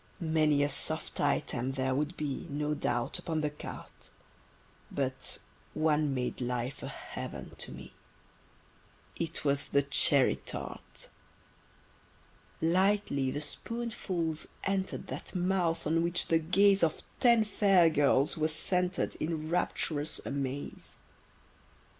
Many a soft item there would be, No doubt, upon the carte: But one made life a heaven to me: It was the cherry tart. Lightly the spoonfuls enter'd That mouth on which the gaze Of ten fair girls was centred In rapturous amaze.